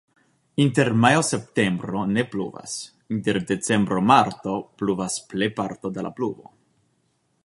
Inter majo-septembro ne pluvas, inter decembro-marto pluvas plejparto de la pluvo.